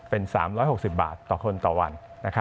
เป็น๓๖๐บาทต่อคนต่อวัน